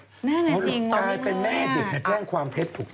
แน่นอนจริงมูกวี้ลูกมันเป็นแม่เด็กแจ้งความเท็จถูกต้อง